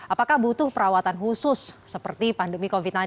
apakah butuh perawatan khusus seperti pandemi covid sembilan belas